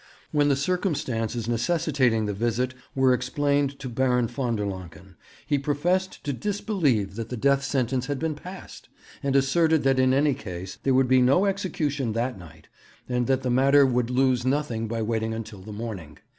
When the circumstances necessitating the visit were explained to Baron von der Lancken, he professed to disbelieve that the death sentence had been passed, and asserted that in any case there would be no execution that night, and that the matter would lose nothing by waiting until the morning.